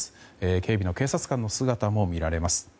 警備の警察官の姿も見られます。